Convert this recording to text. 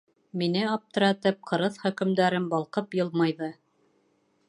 Мине аптыратып ҡырыҫ хөкөмдарым балҡып йылмайҙы: